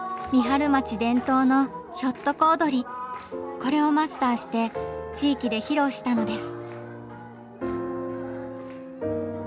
これをマスターして地域で披露したのです。